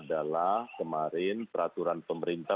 dan seluruh pemirsa